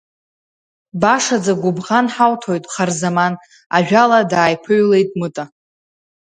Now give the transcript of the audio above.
Башаӡа гәыбӷан ҳауҭоит, Харзаман, ажәала дааиԥыҩлеит Мыта.